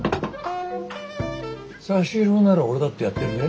差し色なら俺だってやってるぜ。